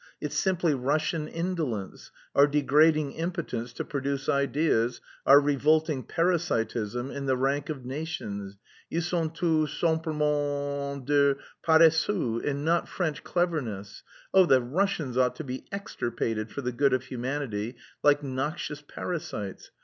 It's simply Russian indolence, our degrading impotence to produce ideas, our revolting parasitism in the rank of nations. Ils sont tout simplement des paresseux, and not French cleverness. Oh, the Russians ought to be extirpated for the good of humanity, like noxious parasites!